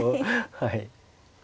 はい。